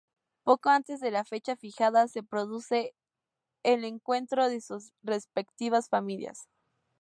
Poco antes de la fecha fijada se produce el encuentro de sus respectivas familias.